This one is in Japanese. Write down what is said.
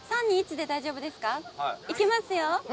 いきますよ。